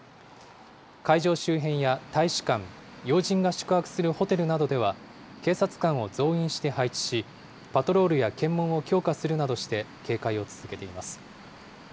会場周辺や大使館、要人が宿泊するホテルなどでは、警察官を増員して配置し、パトロールや検問を強化するなどして警戒を続けています。